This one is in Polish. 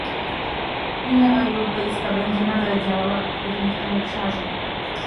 Unia Europejska będzie nadal działała aktywnie w tym obszarze